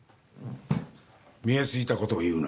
見え透いた事を言うな。